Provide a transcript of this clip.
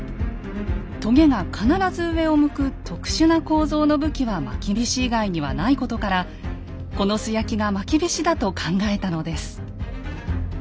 とげが必ず上を向く特殊な構造の武器はまきびし以外にはないことからこの素焼きがまきびしだと考えたのです。